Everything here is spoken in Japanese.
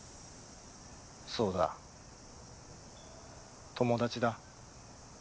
そうだ友達だ。